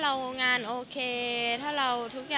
ก็บอกว่าเซอร์ไพรส์ไปค่ะ